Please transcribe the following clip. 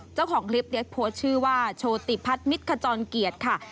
เจ้าของคลิปได้โพสต์ชื่อว่าโชติพัฒนมิตรขจรเกียรติค่ะ